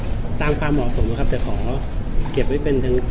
สิทธิ์สร้างไม่มีเวลาทั้งประหลาดสิทธิ์สร้าง